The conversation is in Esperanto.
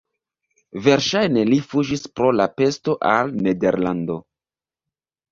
Verŝajne li fuĝis pro la pesto al Nederlando.